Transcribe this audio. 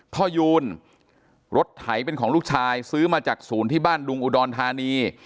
ยูนรถไถเป็นของลูกชายซื้อมาจากศูนย์ที่บ้านดุงอุดรธานี